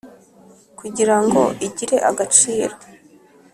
Kugira ngo igire agaciro